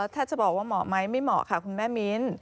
ถ้าจะบอกว่าเหมาะไหมไม่เหมาะค่ะคุณแม่มิ้น